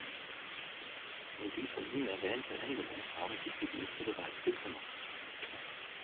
Um die von Ihnen erwähnte Änderung haben sich die Dienste bereits gekümmert.